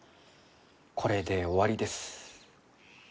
これで終わりです。